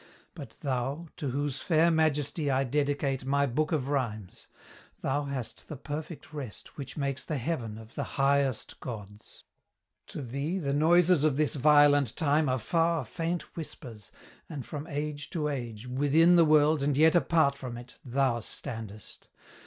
But thou, To whose fair majesty I dedicate My book of rhymes thou hast the perfect rest Which makes the heaven of the highest gods! To thee the noises of this violent time Are far, faint whispers; and, from age to age, Within the world and yet apart from it, Thou standest!